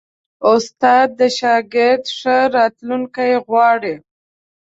استاد د شاګرد ښه راتلونکی غواړي.